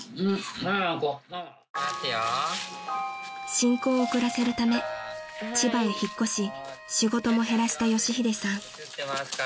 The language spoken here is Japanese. ［進行を遅らせるため千葉へ引っ越し仕事も減らした佳秀さん］